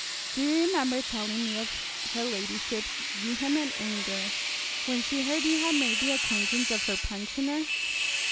Do you remember telling me of her ladyship's vehement anger when she heard you had made the acquaintance of her pensioner?'